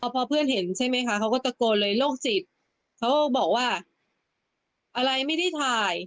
พอเพื่อนเห็นใช่ไหมคะเขาก็ตะโกนเลยโรคจิตเขาก็บอกว่าอะไรไม่ได้ถ่าย